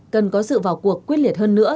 cần có sự vào cuộc quyết liệt hơn nữa